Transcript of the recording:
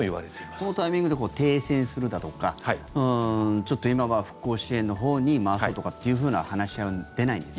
このタイミングで停戦するだとかちょっと今は復興支援のほうに回そうとかっていうふうな話は出ないんですか？